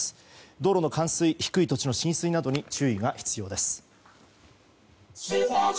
道路の冠水、低い土地の浸水などに注意が必要です。